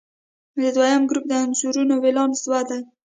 د دویم ګروپ د عنصرونو ولانس دوه دی.